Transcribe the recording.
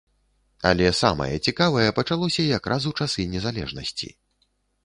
Але самае цікавае пачалося якраз у часы незалежнасці.